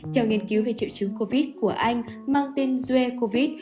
theo nghiên cứu về triệu chứng covid của anh mang tên zuecovid